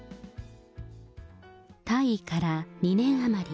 退位から２年余り。